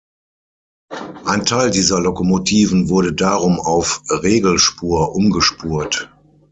Ein Teil dieser Lokomotiven wurde darum auf Regelspur umgespurt.